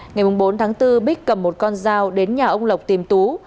ngày bốn tháng bốn bích cầm một con dao đến nhà ông lộc tìm tú